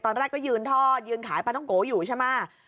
ตอนแรกก็ยืนทอดยืนขายปลาท้องโกอยู่ใช่ไหม